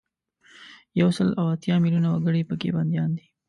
یو سل او اتیا میلونه وګړي په کې بندیان دي.